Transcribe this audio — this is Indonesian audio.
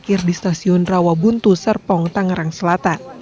akhir di stasiun rawabuntu serpong tangerang selatan